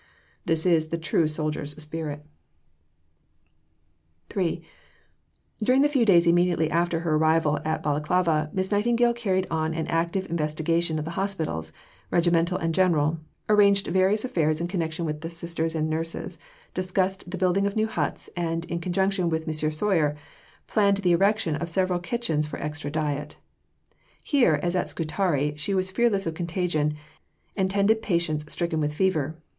This is the true soldier's spirit." Letter on the Volunteers, 1861. See Bibliography A, No. 25. III During the few days immediately after her arrival at Balaclava, Miss Nightingale carried on an active investigation of the hospitals, regimental and general; arranged various affairs in connection with the sisters and nurses; discussed the building of new huts; and, in conjunction with M. Soyer, planned the erection of several kitchens for extra diet. Here, as at Scutari, she was fearless of contagion, and tended patients stricken with fever.